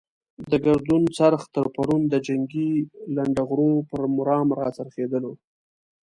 د ګردون څرخ تر پرون د جنګي لنډه غرو پر مرام را څرخېدلو.